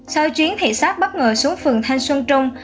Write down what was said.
sau chuyến thị xác bất ngờ xuống phường thanh xuân trung